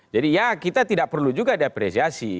jadi ya kita tidak perlu juga diapresiasi